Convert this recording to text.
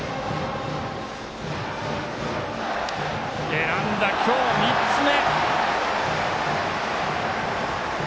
選んだ、今日３つ目。